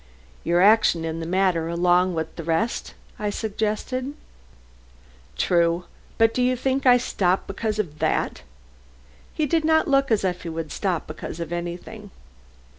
"Your action in the matter along with the rest," I suggested. "True! but do you think I shall stop because of that?" He did not look as if he would stop because of anything.